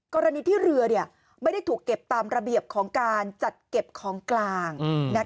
กรณีที่เรือไม่ได้ถูกเก็บตามระเบียบของการจัดเก็บของกลาง